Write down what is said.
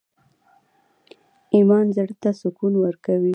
ایمان زړه ته سکون ورکوي